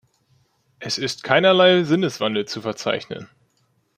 Es ist keinerlei Sinneswandel zu verzeichnen.